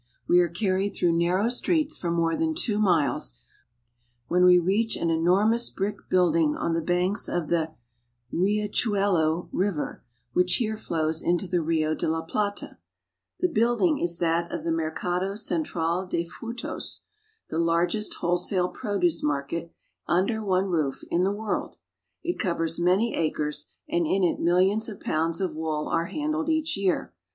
We are carried through narrow streets for more than two miles, when we reach an enormous brick building on the banks of the Riachuelo river, which here flows into the Rio de la Plata. The BUENOS AIRES. 197 Some are filled with wool.' building is that of the Mercado Central des Frutos, the largest wholesale produce market, under one roof, in the world. It covers many acres, and in it millions of pounds of wool are handled each year.